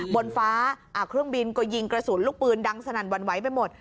บนฟ้าเครื่องบินก็ยิงกระสุนลูกปืนดังสนั่นหวั่นไหวไปหมด